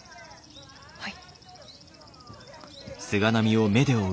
はい。